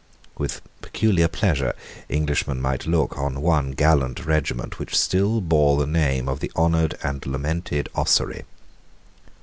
With peculiar pleasure Englishmen might look on one gallant regiment which still bore the name of the honoured and lamented Ossory.